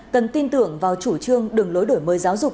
cần tin tưởng vào chủ trương đường lối đổi mới giáo dục